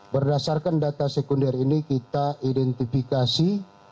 berdasarkan data sekunder ini kita identifikasi